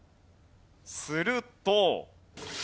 すると。